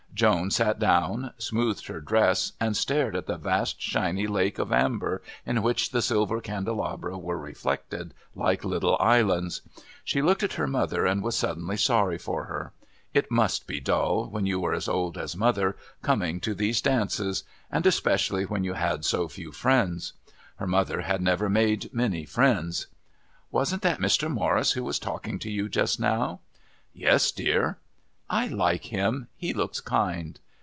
Joan sat down, smoothed her dress and stared at the vast shiny lake of amber in which the silver candelabra were reflected like little islands. She looked at her mother and was suddenly sorry for her. It must be dull, when you were as old as mother, coming to these dances and especially when you had so few friends. Her mother had never made many friends. "Wasn't that Mr. Morris who was talking to you just now?" "Yes, dear." "I like him. He looks kind."